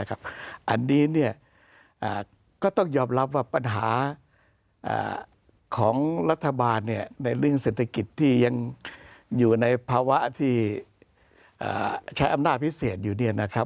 อันนี้ก็ต้องยอมรับว่าปัญหาของรัฐบาลในเรื่องเศรษฐกิจที่ยังอยู่ในภาวะที่ใช้อำนาจพิเศษอยู่